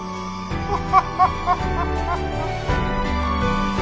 ハハハハ！